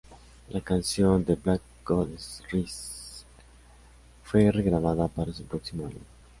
La canción "The Black Goddess Rises" fue re-grabada para su próximo álbum.